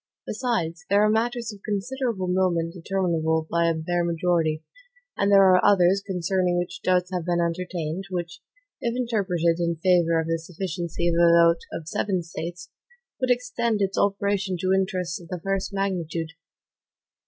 Besides, there are matters of considerable moment determinable by a bare majority; and there are others, concerning which doubts have been entertained, which, if interpreted in favor of the sufficiency of a vote of seven States, would extend its operation to interests of the first magnitude.